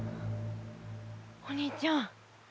お兄ちゃん。